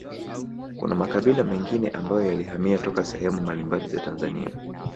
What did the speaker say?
Kuna makabila mengine ambayo yalihamia toka sehemu mbambali za Tanzania